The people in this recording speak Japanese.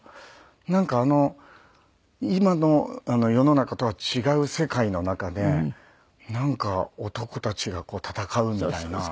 なんか今の世の中とは違う世界の中で男たちが戦うみたいな。